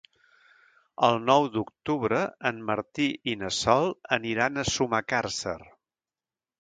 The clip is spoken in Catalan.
El nou d'octubre en Martí i na Sol aniran a Sumacàrcer.